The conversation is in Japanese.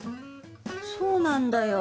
そうなんだよ。